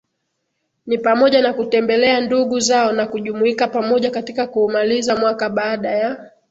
ni pamoja na kutembelea ndugu zao na kujumuika pamoja katika kuumaliza mwaka baada ya